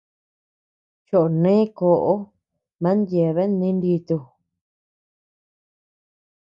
Choʼo nee kóʼo man yeabean ninditu.